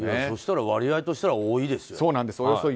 そうしたら割合としては多いですよ。